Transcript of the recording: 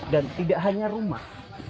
dan tidak hanya rumah